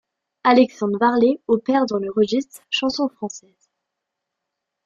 Alexandre Varlet opère dans le registre Chanson française.